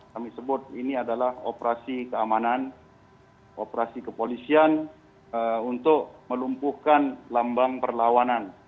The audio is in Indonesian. kami sebut ini adalah operasi keamanan operasi kepolisian untuk melumpuhkan lambang perlawanan